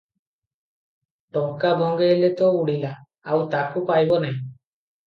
ଟଙ୍କା ଭଙ୍ଗେଇଲେ ତ ଉଡ଼ିଲା, ଆଉ ତାକୁ ପାଇବ ନାହିଁ ।